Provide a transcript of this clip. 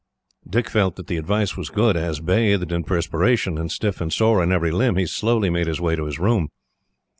Dick felt that the advice was good, as, bathed in perspiration, and stiff and sore in every limb, he slowly made his way to his room.